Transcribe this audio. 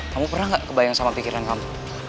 kamu pernah nggak kebayang sama pikiran kamu